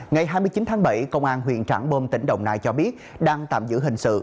ngày hai mươi chín tháng bảy công an huyện trảng bom tỉnh đồng nai cho biết đang tạm giữ hình sự